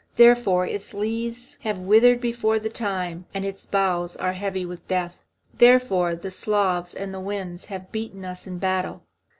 Therefore its leaves have withered before the time, and its boughs are heavy with death. Therefore the Slavs and the Wends have beaten us in battle.